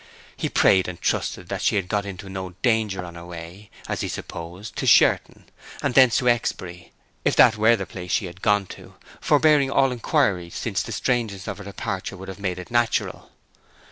He prayed and trusted that she had got into no danger on her way (as he supposed) to Sherton, and thence to Exbury, if that were the place she had gone to, forbearing all inquiry which the strangeness of her departure would have made natural.